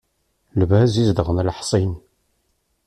Lbaz izedɣen leḥṣin.